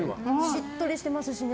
しっとりしてますしね。